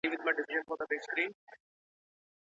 ولي زیارکښ کس د پوه سړي په پرتله لاره اسانه کوي؟